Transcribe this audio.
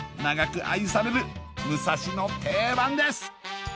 長く愛されるむさしの定番です！